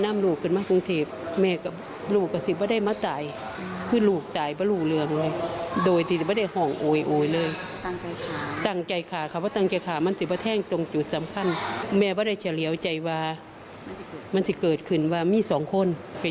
อันนี้คือสิ่งที่แม่คิดนะคะ